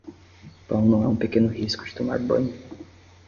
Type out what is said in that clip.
Pão não é um pequeno risco de tomar banho.